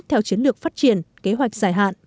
theo chiến lược phát triển kế hoạch giải hạn